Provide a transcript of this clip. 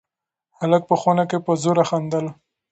هلک په خونه کې په زوره خندل.